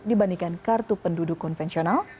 dibandingkan kartu penduduk konvensional